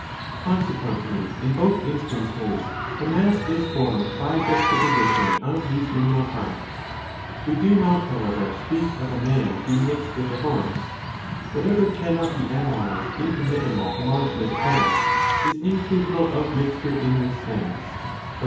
Consequently, in both instances the mass is formed by juxtaposition of these minimal parts. We do not, however, speak of a 20 man being mixed with a horse. Whatever cannot be analysed into minimal ([homogeneous]) parts, is incapable of mixture in this sense, but only in the sense of total 'The first two tbeoriea, v'lr..